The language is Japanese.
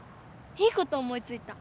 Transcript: いいこと思いついた。